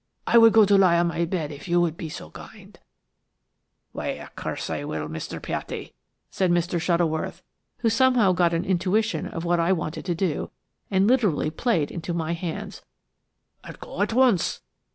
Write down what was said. I would go lie on my bed–if you would be so kind–" "Why, of course I will, Mr. Piatti," said Mr. Shuttleworth, who somehow got an intuition of what I wanted to do, and literally played into my hands. "I'll go at once."